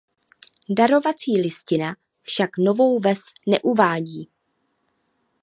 Darovací listina však Novou Ves neuvádí.